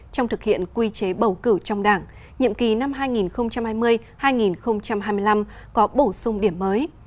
trong thực hiện quy chế bầu cử trong đảng nhiệm kỳ năm hai nghìn hai mươi hai nghìn hai mươi năm có bổ sung điểm mới